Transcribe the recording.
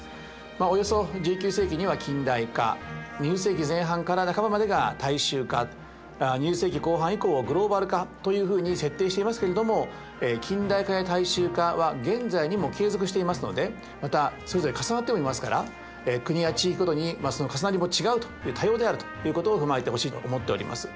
およそ１９世紀には近代化２０世紀前半から半ばまでが大衆化２０世紀後半以降をグローバル化というふうに設定していますけれども近代化や大衆化は現在にも継続していますのでまたそれぞれ重なってもいますから国や地域ごとにその重なりも違うと多様であるということを踏まえてほしいと思っております。